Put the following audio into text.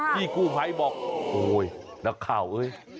พี่กูไพบอกโอ้โฮนักข่าวเฮ้ย